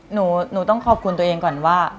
หนูต้องขอบคุณตัวเองก่อนว่า